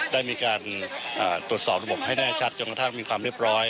ได้มีการตรวจสอบระบบให้แน่ชัดจนกระทั่งมีความเรียบร้อย